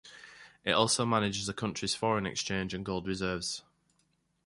It also manages the country's foreign exchange and gold reserves.